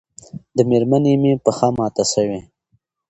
د مېرمنې مې پښه ماته شوې